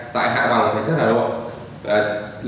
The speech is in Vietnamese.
tại hạ bằng thái thất hà nội